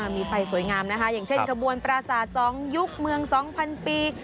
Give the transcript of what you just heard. มีไฟสวยงามนะคะอย่างเช่นกระบวนปราศาสตร์๒ยุคเมือง๒๐๐ปี